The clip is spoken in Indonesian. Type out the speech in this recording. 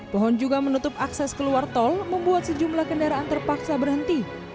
pohon juga menutup akses keluar tol membuat sejumlah kendaraan terpaksa berhenti